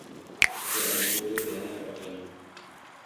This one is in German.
So eine Brotdose hätte ich auch gerne.